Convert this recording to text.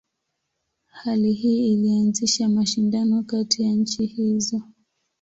Hali hii ilianzisha mashindano kati ya nchi hizo.